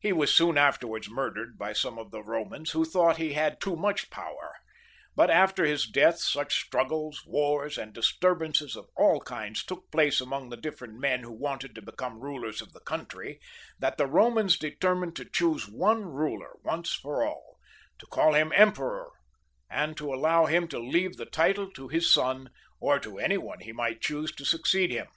He was soon afterwards murdered by some of the Bomans, who thought he had too much power; but after his death such struggles, wars, and disturbances of all kinds took place amongst the diflferent men who wanted to become rulers of the country, that the Bomans determined to choose one ruler once for all, to call him Emperor, and to allow him to leave the 42 CHARLEMAGNE. [CH. title to his son> or to any one he might choose to succeed him.